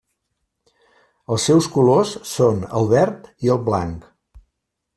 Els seus colors són el verd i el blanc.